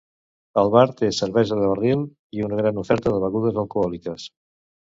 El bar té cervesa de barril i una gran oferta de begudes alcohòliques.